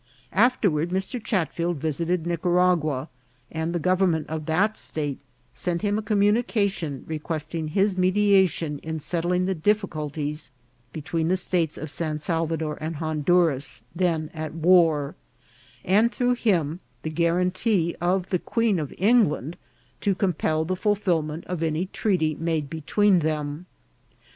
Afterward Mr. Chatfield visited Nicaragua, and the government of that state sent him a communication, re questing his mediation in settling the difficulties be tween the states of San Salvador and Honduras, then at war, and through him the guarantee of the Queen of England to compel the fulfilment of any treaty made between them.